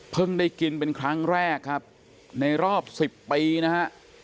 ได้กินเป็นครั้งแรกครับในรอบ๑๐ปีนะฮะ